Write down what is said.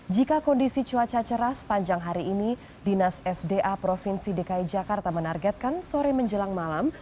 jika kondisi cuaca cerah sepanjang hari ini dinas sda provinsi dki jakarta menargetkan sore menjelang malam